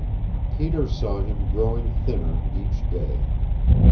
Peter saw him growing thinner each day.